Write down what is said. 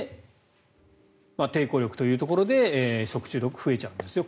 抵抗力というところで食中毒、増えちゃうんですよ。